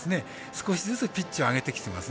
少しずつピッチを上げてきたと思います。